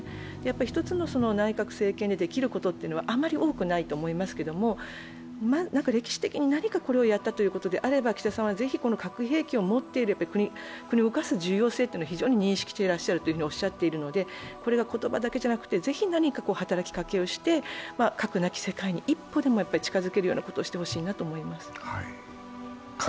一つの内閣政権でできることというのはあまり多くないと思いますが歴史的に何かこれをやったということであれば岸田さんは核兵器を持っている国を動かす重要性を非常に認識しているとおっしゃっているので、これが言葉だけじゃなくて、ぜひ何か働きかけをして、核なき世界に一歩でも近づけるようなことをしてほしいと思います。